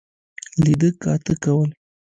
لیده کاته کول.